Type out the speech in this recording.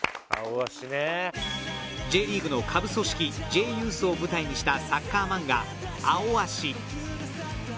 Ｊリーグの下部組織Ｊユースを舞台にしたサッカー漫画「アオアシ」